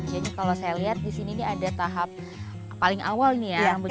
jadi kalau saya lihat di sini ada tahap paling awal ini ya mbak jiko